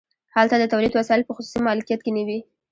هلته د تولید وسایل په خصوصي مالکیت کې نه وي